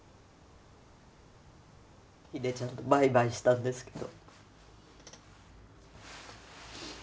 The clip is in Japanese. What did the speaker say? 秀ちゃんとバイバイしたんですけど。